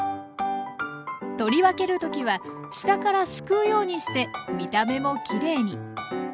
取り分ける時は下からすくうようにして見た目もきれいに。